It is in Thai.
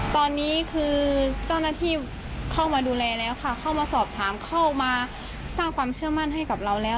ตอนนี้คือเจ้าหน้าที่เข้ามาดูแลแล้วค่ะเข้ามาสอบถามเข้ามาสร้างความเชื่อมั่นให้กับเราแล้ว